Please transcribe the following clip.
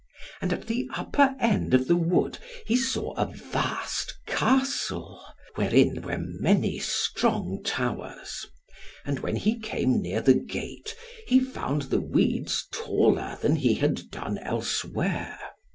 And at the upper end of the wood he saw a vast castle, wherein were many strong towers; and when he came near the gate, he found the weeds taller than he had done elsewhere.